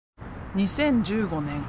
２０１５年